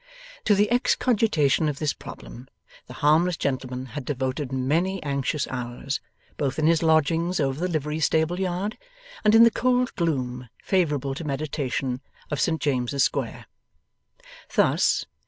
To the excogitation of this problem, the harmless gentleman had devoted many anxious hours, both in his lodgings over the livery stable yard, and in the cold gloom, favourable to meditation, of Saint James's Square. Thus.